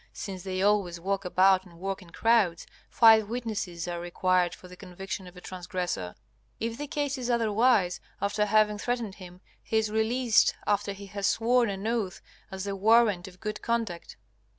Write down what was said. Since they always walk about and work in crowds, five witnesses are required for the conviction of a transgressor. If the case is otherwise, after having threatened him, he is released after he has sworn an oath as the warrant of good conduct.